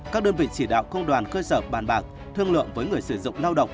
các đơn vị chỉ đạo công đoàn cơ sở bàn bạc thương lượng với người sử dụng lao động